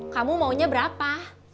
kamu maunya berapa